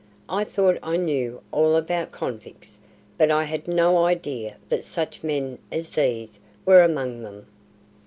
I thought I knew all about convicts, but I had no idea that such men as these were among them."